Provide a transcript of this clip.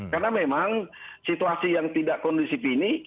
karena memang situasi yang tidak kondisif ini